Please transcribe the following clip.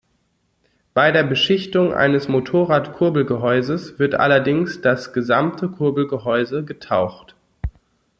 Bei der Beschichtung eines Motorrad-Kurbelgehäuses wird allerdings das gesamte Kurbelgehäuse getaucht.